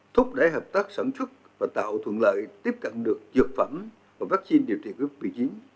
thúc đẩy hợp tác sản xuất và tạo thuận lợi tiếp cận được dược phẩm và vaccine điều trị covid một mươi chín